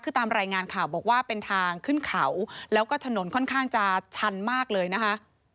คือตามรายงานข่าวบอกว่าเป็นทางขึ้นเขาแล้วก็ถนนค่อนข้างจะชันมากเลยนะคะ